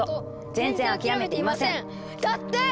「全然諦めていません」だって！